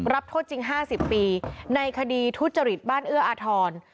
โทษจริง๕๐ปีในคดีทุจริตบ้านเอื้ออาทร